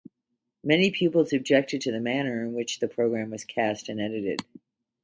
Many pupils objected to the manner in which the programme was cast and edited.